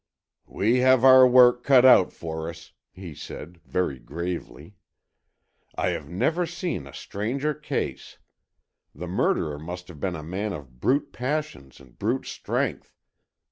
"We have our work cut out for us," he said, very gravely. "I have never seen a stranger case. The murderer must have been a man of brute passions and brute strength.